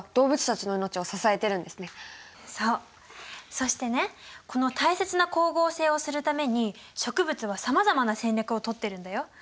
そしてねこの大切な光合成をするために植物はさまざまな戦略をとってるんだよ。